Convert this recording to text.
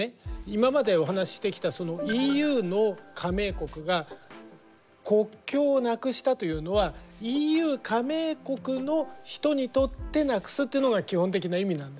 今までお話してきたそのＥＵの加盟国が国境をなくしたというのはＥＵ加盟国の人にとってなくすというのが基本的な意味なんです。